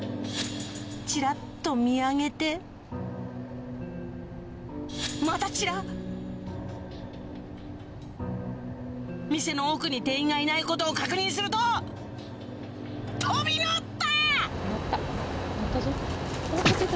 チラっと見上げてまたチラっ店の奥に店員がいないことを確認すると飛び乗った！